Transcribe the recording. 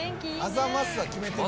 「あざます」は決めてる。